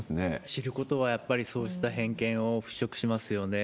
知ることはやっぱりそうした偏見を払拭しますよね。